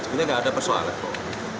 sebutnya gak ada persoalan kok